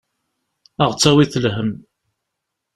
Ad aɣ-d-tawiḍ lhemm.